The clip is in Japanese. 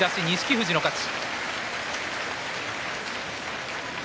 富士の勝ち。